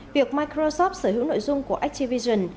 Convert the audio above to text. việc microsoft sở hữu nội dung của activision